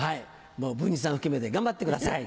文治さんを含めて頑張ってください。